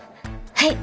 はい。